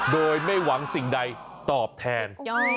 โดยไม่หวังสิ่งใดตอบแทน